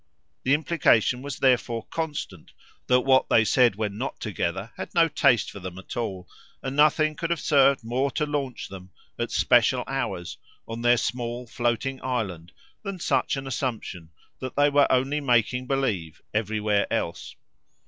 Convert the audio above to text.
The implication was thereby constant that what they said when not together had no taste for them at all, and nothing could have served more to launch them, at special hours, on their small floating island than such an assumption that they were only making believe everywhere else.